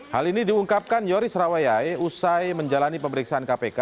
hal ini diungkapkan yoris rawayai usai menjalani pemeriksaan kpk